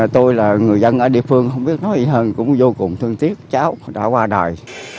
tôi là người dân trong địa phương không biết nói gì hơn vô cùng thương tiếc trong cuộc đoàn wass up đây